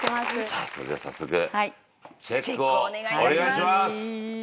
さあそれでは早速チェックをお願いします！